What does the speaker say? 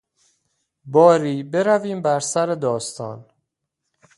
باری برویم بر سر داستان.